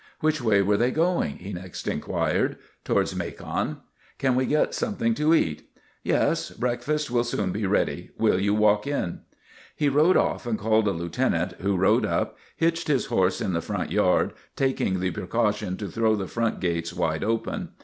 "Which way were they going?" he next inquired. "Towards Macon." "Can we get something to eat?" "Yes, breakfast will soon be ready. Will you walk in?" He rode off and called a Lieutenant, who rode up, hitched his horse in the front yard, taking the precaution to throw the front gates wide open.